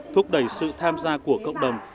thúc đẩy sự tham gia của cộng đồng